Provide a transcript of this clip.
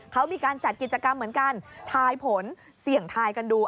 เขามีการจัดกิจกรรมเหมือนกันทายผลเสี่ยงทายกันดู